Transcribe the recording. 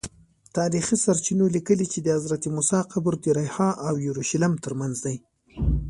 تاریخي سرچینو لیکلي چې د حضرت موسی قبر د ریحا او اورشلیم ترمنځ دی.